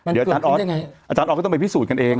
เดี๋ยวอาจารย์ออสก็ต้องไปพิสูจน์กันเอง